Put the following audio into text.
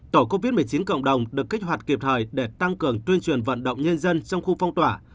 tổ covid một mươi chín cộng đồng được kích hoạt kịp thời để tăng cường tuyên truyền vận động nhân dân trong khu phong tỏa